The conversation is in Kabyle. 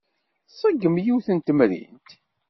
Tṣeggem yiwet n temrint.